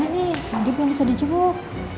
gimana nih andi belum bisa dijemuk